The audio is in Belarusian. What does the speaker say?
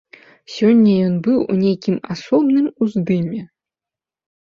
Сёння ён быў у нейкім асобным уздыме.